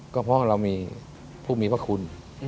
ก็เพราะเรามีผู้มีพระคุณ